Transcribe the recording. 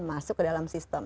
masuk ke dalam sistem